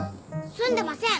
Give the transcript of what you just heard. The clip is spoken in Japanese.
住んでません。